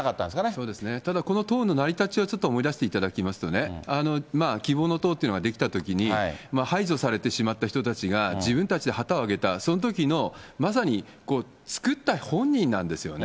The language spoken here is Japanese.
そうですね、ただこの党の成り立ちをちょっと思い出していただきますと、希望の党っていうのができたときに、排除されてしまった人たちが自分たちで旗を挙げた、そのときのまさに作った本人なんですよね。